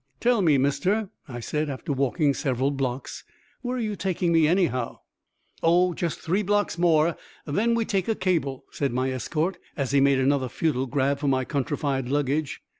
"Tell me, Mister," I said, after walking several blocks, "where are you taking me, anyhow?" "Oh, just three blocks more, then we take a cable," said my escort, as he made another futile grab for my countryfied luggage.